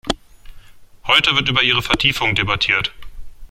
Heute wird über ihre Vertiefung debattiert.